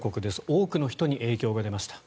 多くの人に影響が出ました。